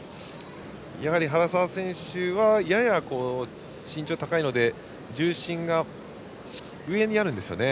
やはり原沢選手はやや身長が高いので重心が上にあるんですね。